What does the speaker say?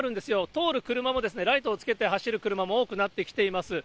通る車もライトをつけて走る車も多くなってきております。